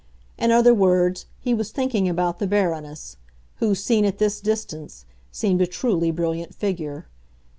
In other words, he was thinking about the Baroness, who, seen at this distance, seemed a truly brilliant figure.